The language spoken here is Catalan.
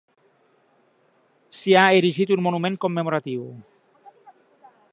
S'hi ha erigit un monument commemoratiu.